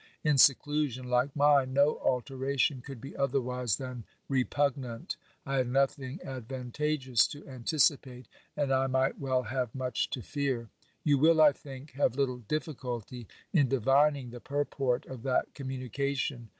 In seclusion like mine, no alteration could be otherwise than repugnant. I had nothing advantageous to anticipate, and I might well have much to fear. You will, I think, have little difficulty in divining the purport of that communication.